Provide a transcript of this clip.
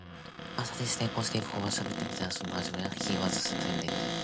After testing positive for a substance in marijuana, he was suspended.